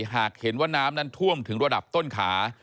หากเห็นว่าน้ำนั้นท่วมถึงระดับต้นขา